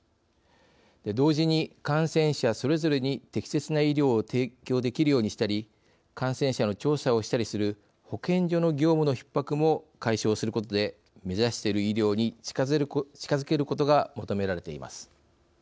同時に、感染者それぞれに適切な医療を提供できるようにしたり感染者の調査をしたりする保健所の業務のひっ迫も解消することで目指している医療に近づけることが求められています。